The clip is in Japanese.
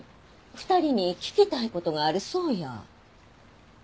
２人に聞きたい事があるそうや。